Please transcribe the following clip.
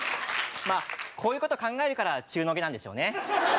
まあこういうこと考えるから中の下なんでしょうね